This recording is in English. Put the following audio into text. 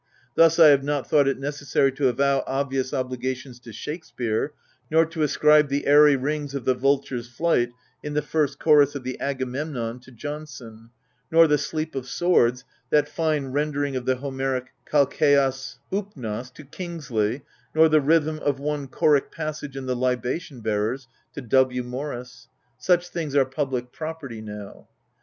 Thus I have not thought it necessary to avow obvious obligations to Shakespeare, nor to ascribe the '<airy rings" of the vultures' flight, in the first chorus of the Agamemnon^ to Jonson, nor the " sleep of swords," that fine render ing of the Homeric x^^^^^ tnrvos, to Kingsley, nor the rhythm of one choric passage in The Libation Bearers to W. Morris. Such things are public property now.